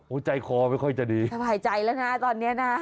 ใจคอไม่ค่อยจะดีสบายใจแล้วนะตอนนี้นะ